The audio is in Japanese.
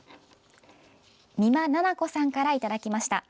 美馬菜々子さんからいただきました。